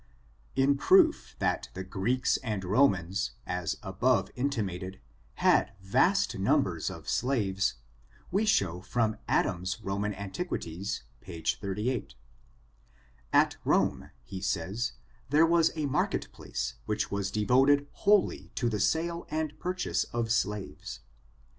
In proof that the Greeks and Romans, as above in* timated, had vast numbers of slaves, we show from ^^ Adams? s Roman Antiquities,^^ pag^ 38. At Rome, he says, there was a market place, which was devot I ed wholly to the sale and purchase of slaves.